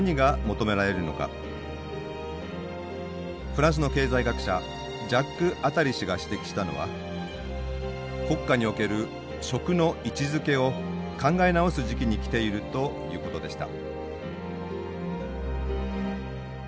フランスの経済学者ジャック・アタリ氏が指摘したのは国家における「食」の位置づけを考え直す時期に来ているということでした。